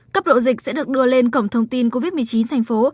cấp độ dịch sẽ được đưa lên cổng thông tin covid một mươi chín thành phố